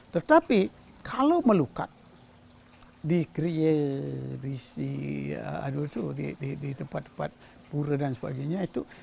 tetapi kalau melukat di kriedisi di tempat tempat pura dan sebagainya itu